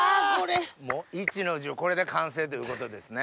壱の重これで完成ということですね。